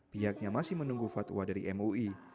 pihaknya masih menunggu fatwa dari mui